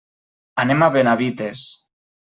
Anem a Benavites.